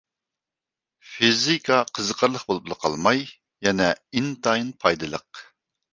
فىزىكا قىزىقارلىق بولۇپلا قالماي، يەنە ئىنتايىن پايدىلىق.